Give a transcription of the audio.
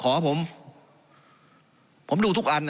การปรับปรุงทางพื้นฐานสนามบิน